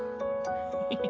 フフフ。